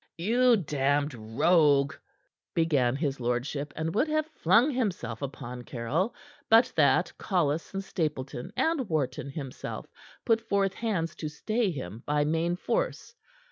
"You damned rogue " began his lordship, and would have flung himself upon Caryll, but that Collis and Stapleton, and Wharton himself, put forth hands to stay him by main force.